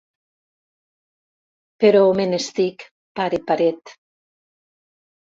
Però me n'estic, pare paret.